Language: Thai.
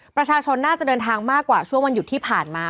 ประชาชนน่าจะเดินทางมากกว่าช่วงวันหยุดที่ผ่านมา